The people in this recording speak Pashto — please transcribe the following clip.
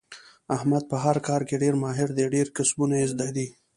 احمد په هر کار کې ډېر ماهر دی. ډېر کسبونه یې زده دي.